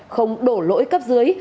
không đổ lỗi cấp dưới